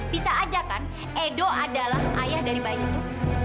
bisa aja kan edo adalah ayah dari bayi itu